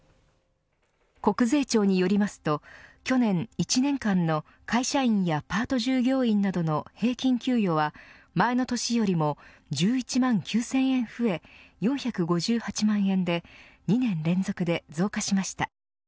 国税庁によりますと去年１年間の会社員やパート従業員などの平均給与は前の年よりも１１万９０００円増え４５８万円で２年連続で増加しました。